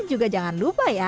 juga jangan lupa ya